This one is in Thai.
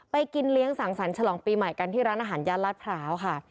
กินเลี้ยงสั่งสรรค์ฉลองปีใหม่กันที่ร้านอาหารย่านลาดพร้าวค่ะ